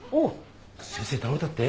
先生倒れたって？